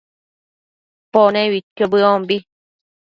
Pone uidquio bedombi